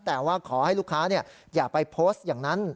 แต่ว่าขอให้ลูกค้าอย่าไปโพสต์อย่างนั้น